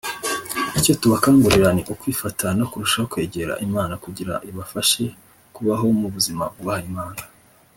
Icyo tubakangurira ni ukwifata no kurushaho kwegera Imana kugira ibafashe kubaho mu buzima bwubaha Imana”